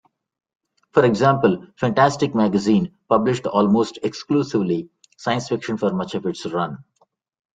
For example, "Fantastic" magazine published almost exclusively science fiction for much of its run.